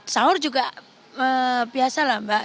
sahur juga biasa lah mbak